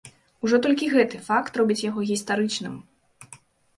Ужо толькі гэты факт робіць яго гістарычным.